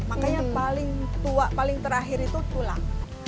makanya paling tua paling terakhir itu tulang